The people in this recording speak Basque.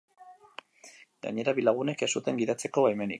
Gainera, bi lagunek ez zuten gidatzeko baimenik.